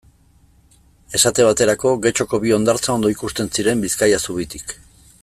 Esate baterako, Getxoko bi hondartza ondo ikusten ziren Bizkaia zubitik.